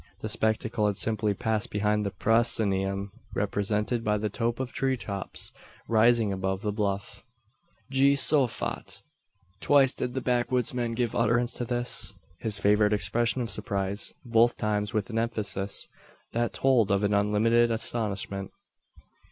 The spectacle had simply passed behind the proscenium represented by the tope of tree tops rising above the bluff. "Geehosophat!" Twice did the backwoodsman give utterance to this, his favourite expression of surprise; both times with an emphasis that told of an unlimited astonishment.